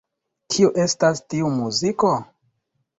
Kio estas tiu muziko?